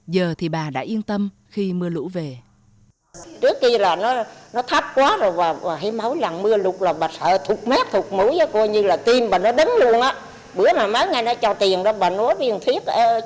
giờ thì bà đã yên tâm khi mưa lũ về